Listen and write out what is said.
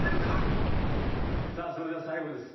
さあそれでは最後です。